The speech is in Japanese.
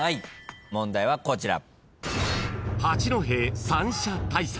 問題はこちら。